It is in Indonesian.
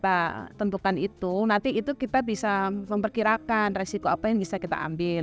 kita tentukan itu nanti itu kita bisa memperkirakan resiko apa yang bisa kita ambil